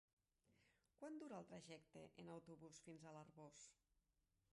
Quant dura el trajecte en autobús fins a l'Arboç?